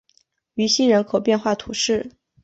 于西人口变化图示